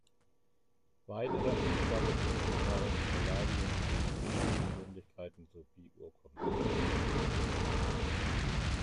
Weitere Anklagepunkte waren die Beleidigung hochstehender Persönlichkeiten sowie Urkundenfälschung.